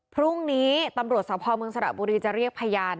พรุ่งนี้ตำรวจสภเมืองสระบุรีจะเรียกพยาน